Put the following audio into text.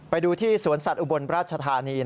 ไปดูที่สวนสัตว์อุบลราชธานี